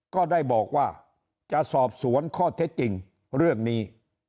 ก็ได้บอกว่าจะสอบสวนข้อเท็จจริงเรื่องนี้